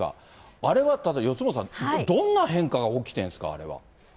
あれは四元さん、どんな変化が起きてるんですか、あれは。